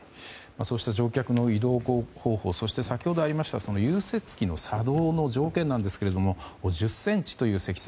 そうした乗客の移動方法そして先ほどありました融雪機の作動条件なんですが１０ｃｍという積雪。